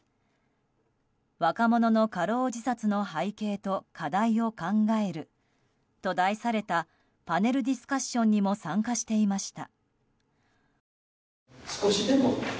「若者の過労自殺の背景と課題を考える」と題されたパネルディスカッションにも参加していました。